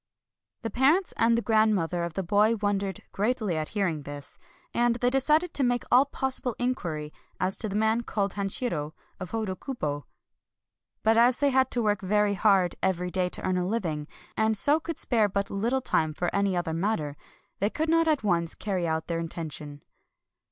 The parents and the grandmother of the boy wondered greatly at hearing this ; and 280 THE REBIRTH OF KATSUGORO they decided to make all possible inquiry as to tlie man called Hansliiro of Hodokubo. But as they all had to work very hard every day to earn a living, and so could spare but little time for any other matter, they could not at once carry out their intention.